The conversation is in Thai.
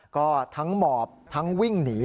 ก็ทั้งหมอบทั้งวิ่งหนี